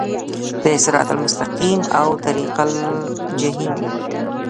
د صراط المستقیم او طریق الجحیم